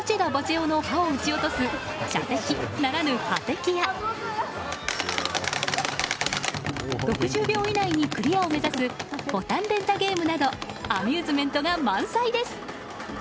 男の歯を撃ち落とす射的ならぬ歯的や６０秒以内にクリアを目指すボタン連打ゲームなどアミューズメントが満載です。